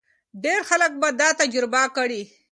ډېر خلک به دا تجربه کړي.